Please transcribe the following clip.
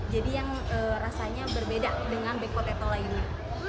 jadi yang rasanya berbeda dengan bekot etolainya